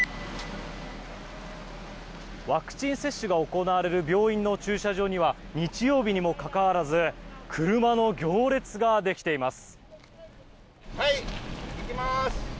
ワクチン接種が行われる病院の駐車場には日曜日にもかかわらず車の行列ができています。